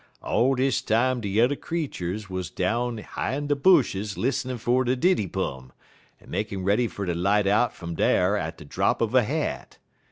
"All des time de yuther creeturs wuz down hi de bushes lissenin' fer de diddybum, en makin' ready fer ter light out fum dar at de drop uv a hat.